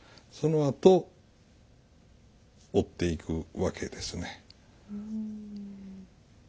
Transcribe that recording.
そのあと折っていくわけですね。